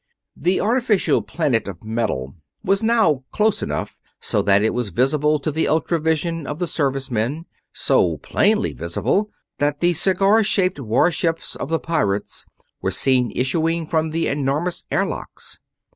The artificial planet of metal was now close enough so that it was visible to the ultra vision of the Service men, so plainly visible that the cigar shaped warships of the pirates were seen issuing from the enormous airlocks.